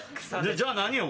じゃあ何よ？